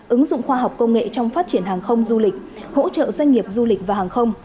ứng dụng khoa học công nghệ trong phát triển hàng không du lịch hỗ trợ doanh nghiệp du lịch và hàng không